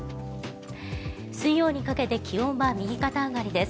水曜にかけて気温は右肩上がりです。